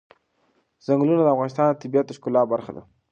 ځنګلونه د افغانستان د طبیعت د ښکلا برخه ده.